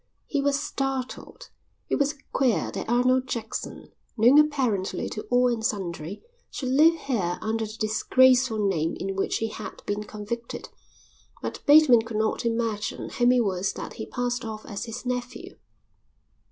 He was startled. It was queer that Arnold Jackson, known apparently to all and sundry, should live here under the disgraceful name in which he had been convicted. But Bateman could not imagine whom it was that he passed off as his nephew.